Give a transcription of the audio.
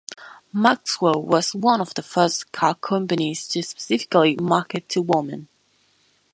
Maxwell was one of the first car companies to specifically market to women.